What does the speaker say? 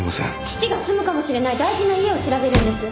父が住むかもしれない大事な家を調べるんです。